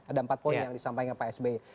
ada empat poin yang disampaikan pak sby